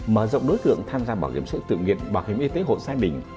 mở rộng đối tượng tham gia bảo hiểm sối tự nguyện bảo hiểm y tế hộ gia đình